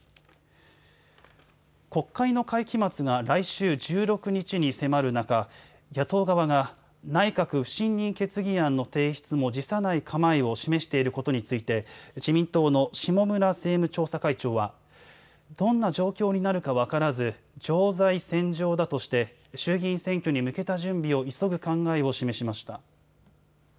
国会の会期末が来週１６日に迫る中野党側が内閣不信任決議案の提出も辞さない構えを示していることについて自民党の下村政務調査会長はどんな状況になるか分からず常在戦場だとして衆議院選挙に向けた準備を急ぐ考えを示しました。